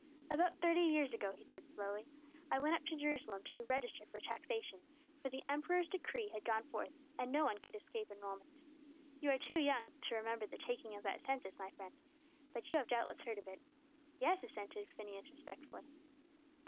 "About thirty years ago," he said slowly, "I went up to Jerusalem to be registered for taxation, for the emperor's decree had gone forth and no one could escape enrolment. You are too young to remember the taking of that census, my friend; but you have doubtless heard of it." "Yes," assented Phineas, respectfully.